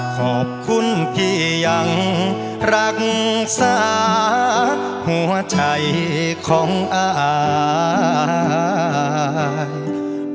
ขอบคุณที่ยังรักษาหัวใจของอาย